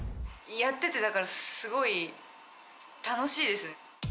やっててすごい楽しいです。